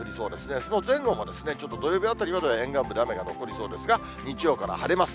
その前後もちょっと土曜日あたりまでは沿岸部で雨が残りそうですが、日曜から晴れます。